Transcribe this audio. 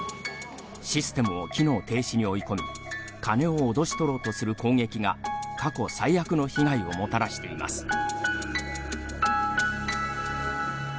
システムを機能停止に追い込み金を脅し取ろうとする攻撃が過去最悪の被害をもたらしています。